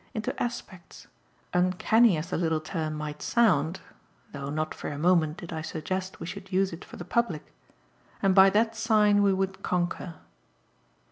into aspects uncanny as the little term might sound (though not for a moment did I suggest we should use it for the public), and by that sign we would conquer.